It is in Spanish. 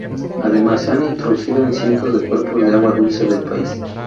Además, se han introducido en cientos de cuerpos de agua dulce del país.